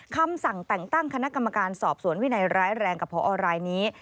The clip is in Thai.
คำสั่งแต่งตั้งคณะกรรมการสอบสวนวินัยร้ายแรงกับพอรายนี้